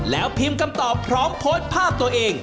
แล้วพิมพ์คำตอบพร้อมโพสต์ภาพตัวเอง